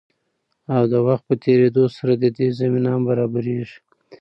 او د وخت په تېريدو سره د دې زمينه هم برابريږي.